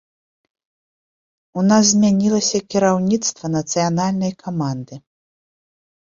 У нас змянілася кіраўніцтва нацыянальнай каманды.